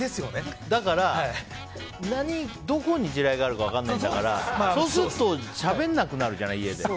だから、どこに地雷があるか分からないんだからそうするとしゃべらなくなるじゃない、家で。